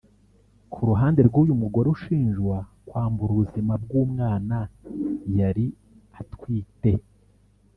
Ku ruhande rw’uyu mugore ushinjwa kwambura ubuzima bw’umwana yari atwite